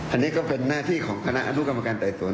อันนี้ก็เป็นหน้าที่ของคณะอนุกรรมการไต่สวน